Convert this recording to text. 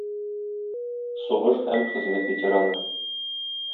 сугыш һәм хезмәт ветераны.